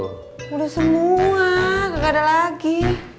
sudah semua gak ada lagi